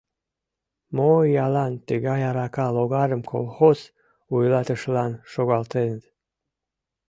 — Мо иялан тыгай арака логарым колхоз вуйлатышылан шогалтеныт!